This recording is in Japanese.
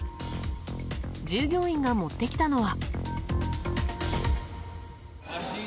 従業員が持ってきたのは。